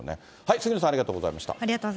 杉野さん、ありがとうございました。